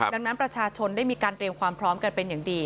ดังนั้นประชาชนได้มีการเตรียมความพร้อมกันเป็นอย่างดี